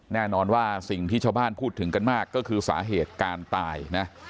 แน่นอนว่าสิ่งที่ชาวบ้านพูดถึงกันมากก็คือสาเหตุการตายนะ